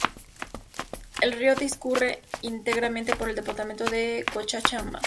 El río discurre íntegramente por el departamento de Cochabamba.